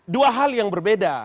dua hal yang berbeda